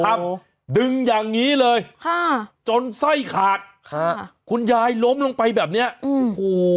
ดึงอย่างงี้เลยค่ะจนไส้ขาดค่ะคุณยายล้มลงไปแบบเนี้ยอืม